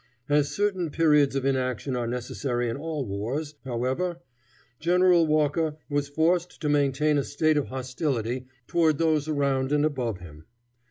As certain periods of inaction are necessary in all wars, however, General Walker was forced to maintain a state of hostility toward those around and above him.